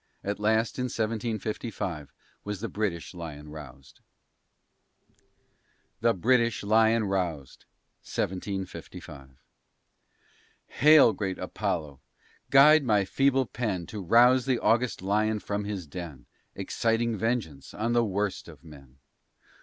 At last, in 1755, was "the British Lyon roused." THE BRITISH LYON ROUSED Hail, great Apollo! guide my feeble pen, To rouse the august lion from his den, Exciting vengeance on the worst of men.